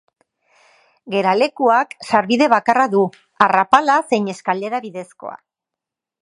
Geralekuak sarbide bakarra du, arrapala zein eskailera bidezkoa.